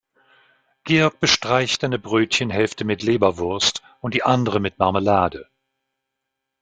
Georg bestreicht eine Brötchenhälfte mit Leberwurst und die andere mit Marmelade.